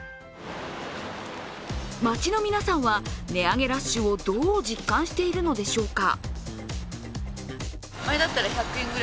街の皆さんは値上げラッシュをどう実感しているのでしょうか。